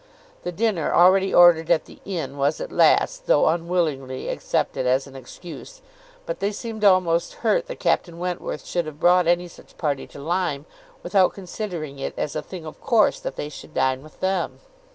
The dinner, already ordered at the inn, was at last, though unwillingly, accepted as a excuse; but they seemed almost hurt that Captain Wentworth should have brought any such party to Lyme, without considering it as a thing of course that they should dine with them.